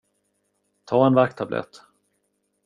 Ta en värktablett.